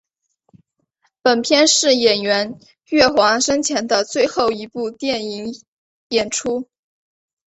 本片是演员岳华生前的最后一部电影演出。